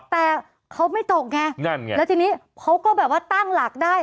แต่เค้าไม่ตกไงแล้วทีนี้เค้าก็แบบว่าตั้งหลักได้